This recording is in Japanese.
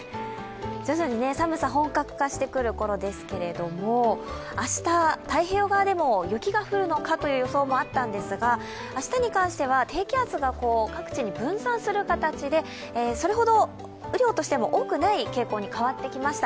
徐々に寒さ、本格化してくるころですけれども、明日、太平洋側でも雪が降るのかという予想もあったんですが、明日に関しては低気圧が各地に分散する形でそれほど雨量としても多くない傾向に変わってきました。